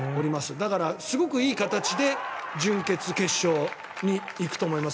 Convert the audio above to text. だから、すごくいい形で準決勝、決勝に行くと思います。